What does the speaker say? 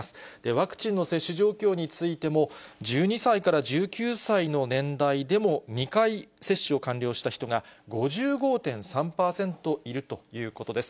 ワクチンの接種状況についても、１２歳から１９歳の年代でも、２回接種を完了した人が５５．３％いるということです。